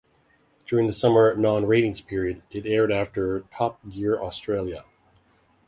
During the summer non-ratings period, it aired after "Top Gear Australia".